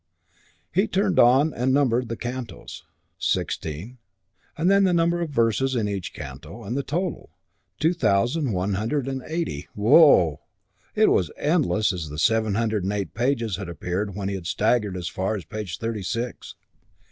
He turned on and numbered the cantos, sixteen; and then the number of verses in each canto and the total, two thousand one hundred and eighty.... Who o o!... It was as endless as the seven hundred and eight pages had appeared when he had staggered as far as page thirty six.